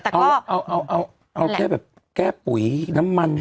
แต่ก็เอาแบบแก้ปุ๋ยน้ำมัน